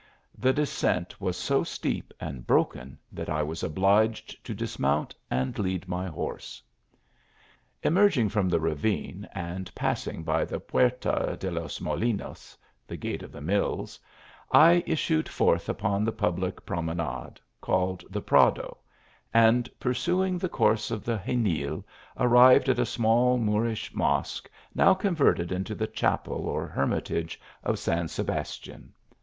The descent was so steep and broken that I was obliged to dismount and lead my horse. Emerging from the ravine, and passing by the Puerta de los Molinos, (the Gate of the Mills,) I is sued forth upon the public promenade, called the Prado, and pursuing the course of the Xenil, arrived at a small Moorish mosque, now converted into the chapel, or hermitage of San Sebastian.